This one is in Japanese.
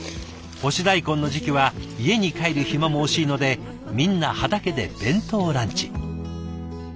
干し大根の時期は家に帰る暇も惜しいのでみんな畑で弁当ランチ。